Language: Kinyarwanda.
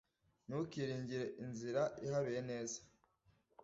ntukiringire inzira iharuye neza